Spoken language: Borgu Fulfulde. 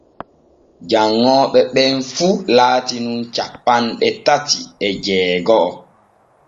Janŋooɓe ɓen fu laati nun cappanɗe tati e jeego’o.